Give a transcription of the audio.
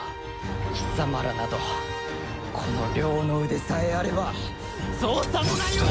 貴様らなどこの両の腕さえあれば造作もないわ！